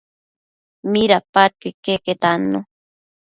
Midapadquio iqueque tannu